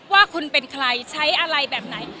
ว่าคุณเป็นใครใช้อะไรแบบไหน